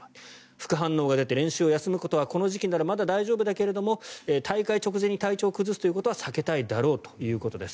副反応が出て練習を休むことはこの時期ならまだ大丈夫だが大会直前に体調を崩すということは避けたいだろうということです。